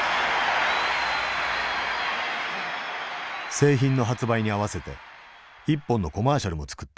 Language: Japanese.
製品の発売に合わせて１本のコマーシャルも作った。